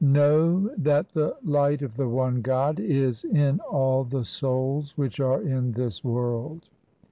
Know that the light of the one God Is in all the souls which are in this world.